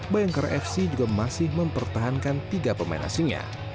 bayangkara fc juga masih mempertahankan tiga pemain asingnya